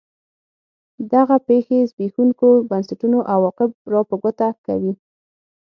دغه پېښې زبېښونکو بنسټونو عواقب را په ګوته کوي.